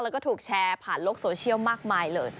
และถูกแชร์ผ่านโลกโซเชียลมากมาย